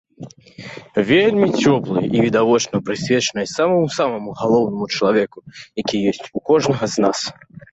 Вельмі цёплай і, відавочна, прысвечанай самаму-самаму галоўнаму чалавеку, які ёсць у кожнага з нас.